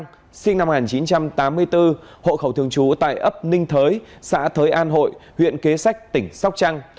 đối tượng nguyễn thị kiều lộc sinh năm một nghìn chín trăm tám mươi bốn hộ khẩu thường trú tại ấp ninh thới xã thới an hội huyện kế sách tỉnh sóc trăng